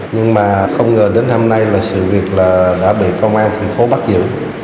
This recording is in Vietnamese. nhưng mà không ngờ đến hôm nay là sự việc là đã bị công an thành phố bắt giữ